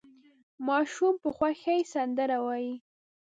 ماشوم په خوښۍ سندره وايي.